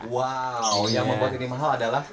wow yang membuat ini mahal adalah